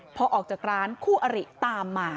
พอออกจากร้านคู่อริตามมา